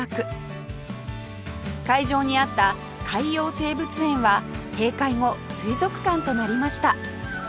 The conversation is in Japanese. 会場にあった海洋生物園は閉会後水族館となりました